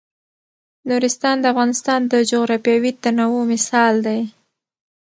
نورستان د افغانستان د جغرافیوي تنوع مثال دی.